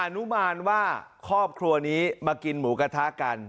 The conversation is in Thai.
นุมานว่าครอบครัวนี้มากินหมูกระทะกัน